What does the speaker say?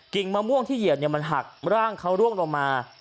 มะม่วงที่เหยียดมันหักร่างเขาร่วงลงมา